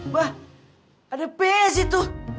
wah ada ps itu